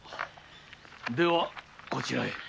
ではこちらへ。